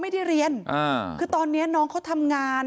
เหตุการณ์เกิดขึ้นแถวคลองแปดลำลูกกา